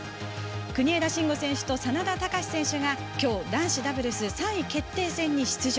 国枝慎吾選手と眞田卓選手がきょう、男子ダブルス３位決定戦に出場。